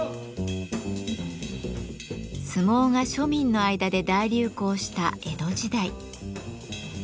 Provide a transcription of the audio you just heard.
相撲が庶民の間で大流行した江戸時代。